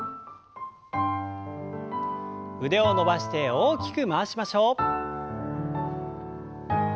腕を伸ばして大きく回しましょう。